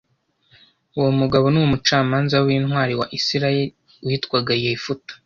Uwo mugabo ni umucamanza w’intwari wa Isirayeli witwaga Yefuta